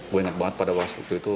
gue ingat banget pada waktu itu